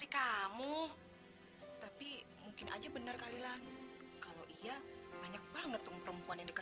kamu udah terlalu banyak ngomong ya